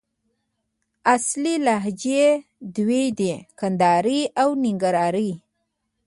اصلي لهجې دوې دي: کندهارۍ او ننګرهارۍ